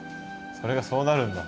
それがそうなるんだ。